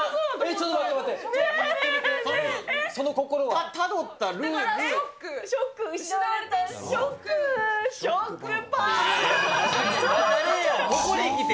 ちょっと待って、待って。